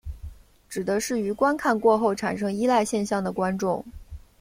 指的是于观看过后产生依赖现象的观众。